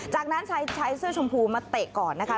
จากนั้นชายเสื้อชมพูมาเตะก่อนนะคะ